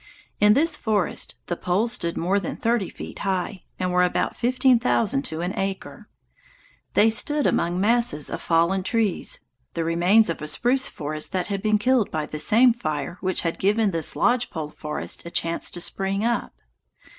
In this forest the poles stood more than thirty feet high, and were about fifteen thousand to an acre. They stood among masses of fallen trees, the remains of a spruce forest that had been killed by the same fire which had given this lodge pole forest a chance to spring up.